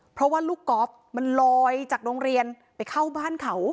เพราะว่าลูกกอล์ฟมันลอยจากโรงเรียนไปเข้าบ้านเขา